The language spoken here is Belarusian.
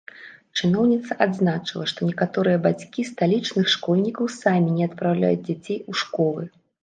Чыноўніца адзначыла, што некаторыя бацькі сталічных школьнікаў самі не адпраўляюць дзяцей у школы.